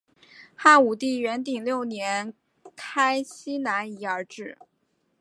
汉武帝元鼎六年开西南夷而置。